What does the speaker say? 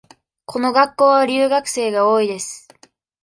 この学校は留学生が多いです。